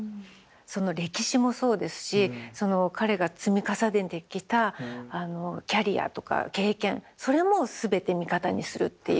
その歴史もそうですしその彼が積み重ねてきたキャリアとか経験それも全て味方にするっていう。